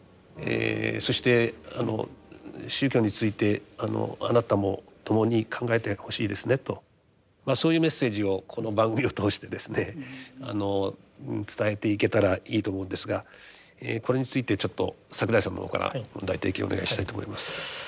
そして宗教についてあなたも共に考えてほしいですねとそういうメッセージをこの番組を通してですね伝えていけたらいいと思うんですがこれについてちょっと櫻井さんの方から問題提起をお願いしたいと思います。